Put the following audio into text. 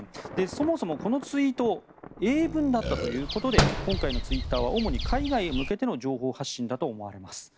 そもそもこのツイート英文だったということで今回のツイッターは主に海外へ向けての情報発信だと思われます。